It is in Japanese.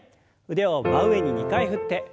腕を真上に２回振って。